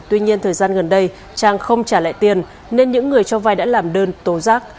tuy nhiên thời gian gần đây trang không trả lại tiền nên những người cho vai đã làm đơn tố giác